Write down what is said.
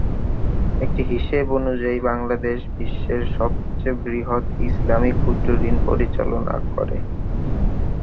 একটি হিসেব অনুযায়ী, বাংলাদেশ বিশ্বের সবচেয়ে বৃহৎ ইসলামি ক্ষুদ্রঋণ পরিচালনা করে।